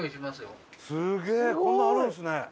すげえこんなんあるんですね。